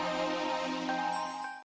ahh boleh boleh